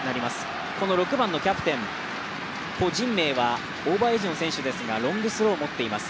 この６番のキャプテン、コ・ジンメイはオーバーエッジの選手ですがロングスローを持っています。